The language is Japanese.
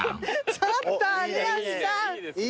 ちょっと有吉さん！